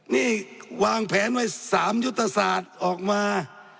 นี่วางแผนไว้๓ยุทธศาสตร์ออกมา